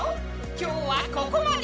今日はここまで！